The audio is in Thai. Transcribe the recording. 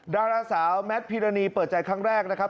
ดาราสาวแมทพิรณีเปิดใจครั้งแรกนะครับ